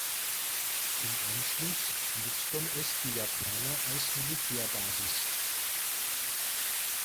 Im Anschluss nutzten es die Japaner als Militärbasis.